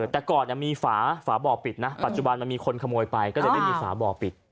แต่ก่อนมีฝาฝาบ่อปิดนะปัจจุบันมันมีคนขโมยไปก็เลยไม่มีฝาบ่อปิด